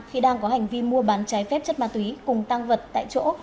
khi đang có hành vi mua bán trái phép chất ma túy cùng tăng vật tại chỗ